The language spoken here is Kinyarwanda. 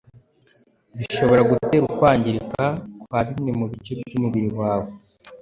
bishobora gutera ukwangirika kwabimwe mubice byumubiri wawe